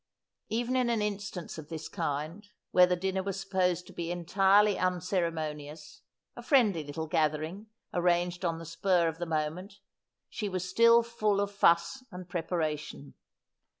Even in an instance of this kind, where the dinner was supposed to be entirely unceremonious, a friendly little gathering arranged on the spur of the moment, she was still full of fuss and prepa ration.